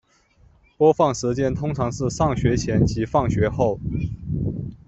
播放时间通常是上学前及放学后。